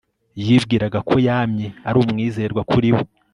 yibwiraga ko yamye ari umwizerwa kuri we